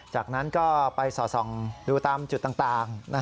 จากนั้นก็ไปสอดส่องดูตามจุดต่าง